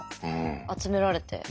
集められて。